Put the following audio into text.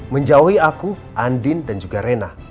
menjauhi aku andin dan juga rena